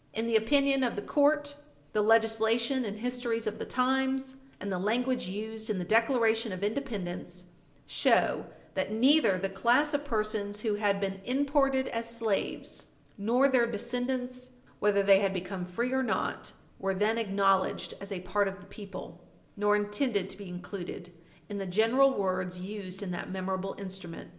In the opinion of the court, the legislation and histories of the times, and the language used in the Declaration of Independence, show that neither the class of persons who had been imported as slaves nor their descendants, whether they had become free or not, were then acknowledged as a part of the people, nor intended to be included in the general words used in that memorable instrument.